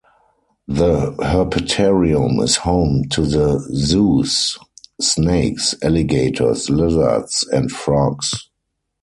The Herpetarium is home to the zoo's snakes, alligators, lizards and frogs.